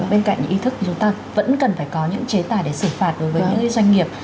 bên cạnh những ý thức chúng ta vẫn cần phải có những chế tài để xử phạt đối với những doanh nghiệp